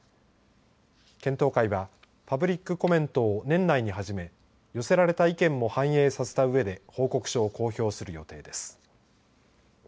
検討会は、パブリックコメントを年内に始め、寄せられた意見も反映させたうえで報告書を公表する予定です。